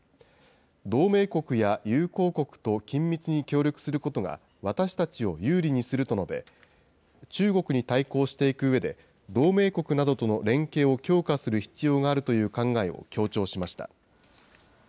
同盟国や友好国と緊密に協力することが、私たちを有利にすると述べ、中国に対抗していくうえで、同盟国などとの連携を強化する必要があるという考えを強調しました。